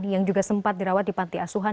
yang juga sempat dirawat di panti asuhan